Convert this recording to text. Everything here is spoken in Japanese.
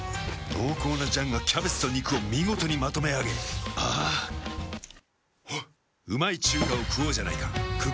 濃厚な醤がキャベツと肉を見事にまとめあげあぁあっ。